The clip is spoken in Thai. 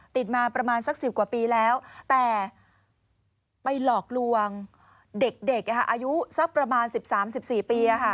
ติดมาประมาณสัก๑๐กว่าปีแล้วแต่ไปหลอกลวงเด็กอายุสักประมาณ๑๓๑๔ปี